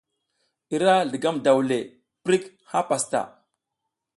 I ra zligam daw zle prik ha pastaʼa.